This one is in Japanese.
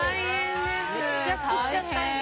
めちゃくちゃ大変。